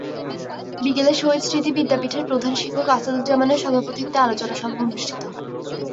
বিকেলে শহীদ স্মৃতি বিদ্যাপীঠের প্রধান শিক্ষক আসাদুজ্জামানের সভাপতিত্বে আলোচনা সভা অনুষ্ঠিত হয়।